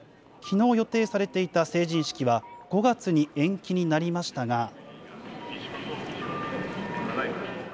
きのう予定されていた成人式は５月に延期になりましたが。